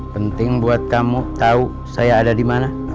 penting buat kamu tau saya ada dimana